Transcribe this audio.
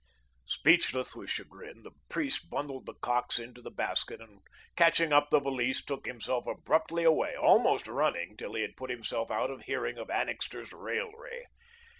Speechless with chagrin, the priest bundled the cocks into the basket and catching up the valise, took himself abruptly away, almost running till he had put himself out of hearing of Annixter's raillery.